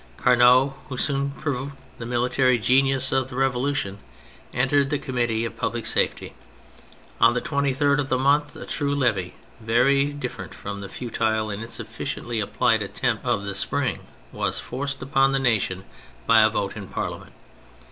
Carnot, who soon proved the military genius of the Re volution, entered the Committee of Public Safety. On the 23rd of the month a true levy, very different from the futile and insufficiently applied attempt of the spring, was forced upon the nation by a vote in Parliament.